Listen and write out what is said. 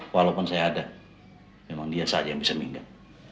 walaupun saya ada memang dia saja yang bisa meninggal